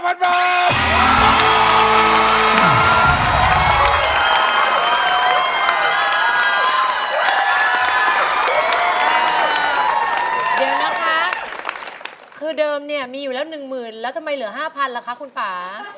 เดี๋ยวนะคะคือเดิมเนี่ยมีอยู่แล้ว๑หมื่นแล้วทำไมเหลือ๕๐๐๐ล่ะคะคุณป่า